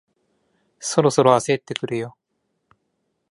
そろそろ焦ってくるよ